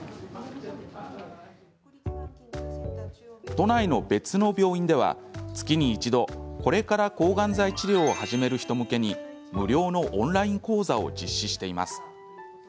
都内の別の病院では、月に一度これから抗がん剤治療を始める人向けに無料のオンライン講座を実施しています。